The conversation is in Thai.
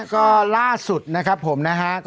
ก็ล่าสุดนะครับผมนะฮะ